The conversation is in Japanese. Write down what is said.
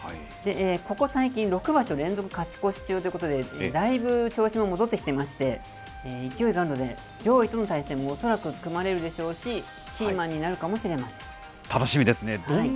ここ最近、６場所連続勝ち越し中ということで、だいぶ調子も戻ってきていまして、勢いがあるので、上位との対戦も恐らく組まれるでしょうし、キーマンになるかもしれません。